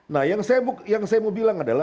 nah yang saya mau bilang adalah